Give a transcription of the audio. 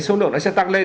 số lượng nó sẽ tăng lên